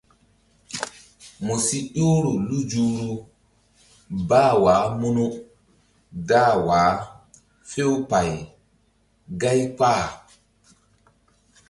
Mu si ƴohro lu zuhru baah munu dah wah few pay gáy kpah.